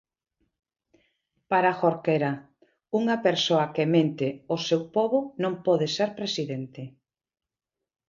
Para Jorquera, "unha persoa que mente ao seu pobo non pode ser presidente".